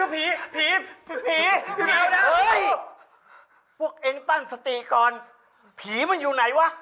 พี่ป๋องครับผมเคยไปที่บ้านผีคลั่งมาแล้ว